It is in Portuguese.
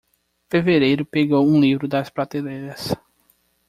Fevereiro pegou um livro das prateleiras.